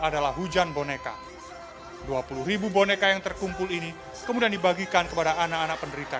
adalah hujan boneka dua puluh ribu boneka yang terkumpul ini kemudian dibagikan kepada anak anak penderita